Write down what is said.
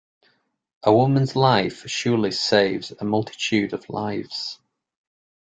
A woman's life surely saves a multitude of lives.